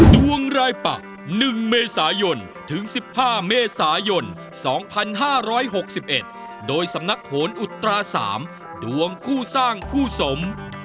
ดวงรายปัก๑เมษายนถึง๑๕เมษายน๒๕๖๑โดยสำนักโหนอุตรา๓ดวงคู่สร้างคู่สม